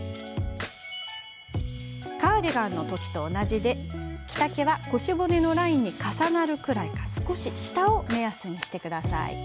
カーディガンの時と同じで着丈は腰骨のラインに重なるくらいか少し下を目安に。